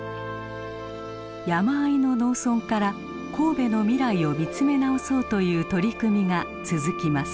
山あいの農村から神戸の未来を見つめ直そうという取り組みが続きます。